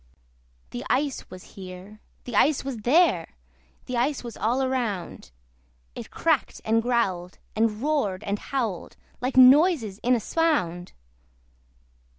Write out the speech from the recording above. The ice was here, the ice was there, The ice was all around: It cracked and growled, and roared and howled, Like noises in a swound!